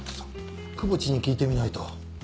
窪地に聞いてみないと。